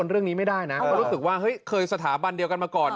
รู้สึกว่าเคยสถาบันเดียวกันมาก่อน